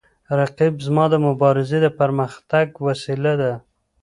رقیب زما د مبارزې د پرمختګ وسیله ده